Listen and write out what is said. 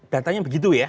datanya begitu ya